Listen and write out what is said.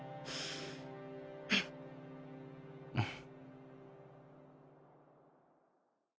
うん。